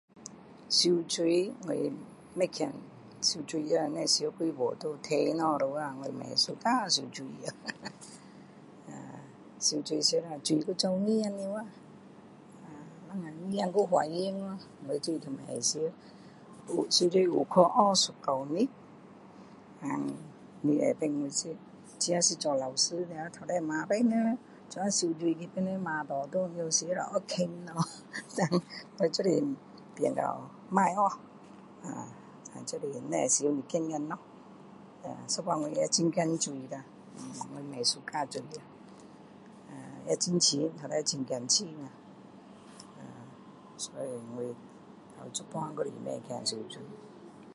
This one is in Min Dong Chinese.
游泳我不强游泳只游几步就沉下去了咯我不喜欢游泳 游泳游了水跑进耳朵里吖等一下耳朵都发炎吖我就是不爱游我上次一个月然后你知道我自己是做老师的有时骂别人现在游泳被别人骂回来像狗那样我就是变成不要学就是会游一点点咯一半我要很怕水啦不喜欢水也很冷重来就是很怕冷所以我到现在会怕水